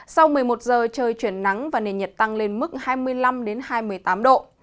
sau một mươi một giờ trời chuyển nắng và nền nhiệt tăng lên mức hai mươi năm hai mươi tám độ